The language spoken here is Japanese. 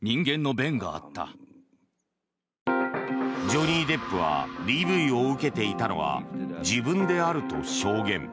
ジョニー・デップはＤＶを受けていたのは自分であると証言。